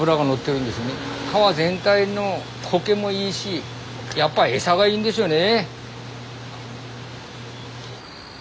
川全体のコケもいいしやっぱ餌がいいんでしょうね。